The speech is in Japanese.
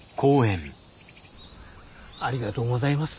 ありがとうございます。